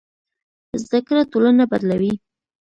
زده کړه ټولنه بدلوي.